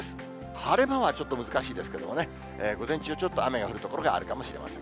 晴れ間はちょっと難しいですけれどもね、午前中、ちょっと雨が降る所があるかもしれません。